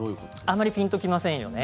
あまりピンと来ませんよね。